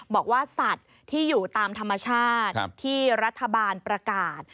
บอกว่าสัตว์ที่อยู่ตามธรรมชาติที่รัฐบาลประกาศ